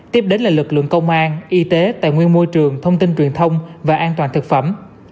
tiếp đến là lực lượng công an y tế tài nguyên môi trường thông tin truyền thông và an toàn thực phẩm